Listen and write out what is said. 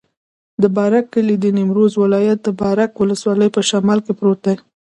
د بارک کلی د نیمروز ولایت، بارک ولسوالي په شمال کې پروت دی.